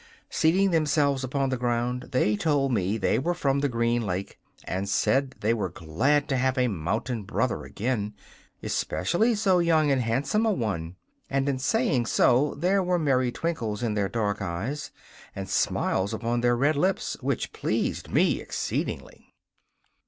Seating themselves upon the ground, they told me they were from the Green Lake, and said they were glad to have a 'mountain brother' again, especially so young and handsome a one; and in saying so there were merry twinkles in their dark eyes and smiles on their red lips, which pleased me exceedingly.